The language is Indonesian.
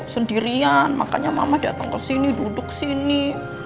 sendirian makanya mama datang kesini duduk sini